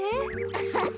アハハ。